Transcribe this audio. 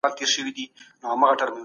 روښانه فکر خوښي نه کموي.